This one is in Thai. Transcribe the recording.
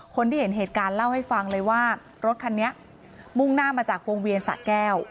คนที่เห็นเหตุการณ์เล่าให้ฟังเลยว่ารถคันนี้มุ่งหน้ามาจากวงเวียนสะแก้ว